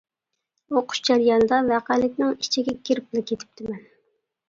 ئوقۇش جەريانىدا ۋەقەلىكنىڭ ئىچىگە كىرىپلا كېتىپتىمەن.